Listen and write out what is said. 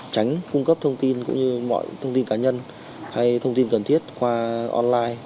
tránh cung cấp thông tin cũng như mọi thông tin cá nhân hay thông tin cần thiết qua online